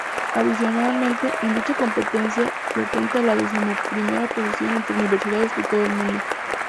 Adicionalmente, en dicha competencia detenta la decimoprimera posición entre universidades todo el mundo.